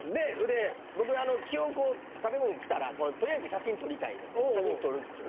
で僕あの基本こう食べ物きたらとりあえず写真撮りたいので写真撮るんですよ。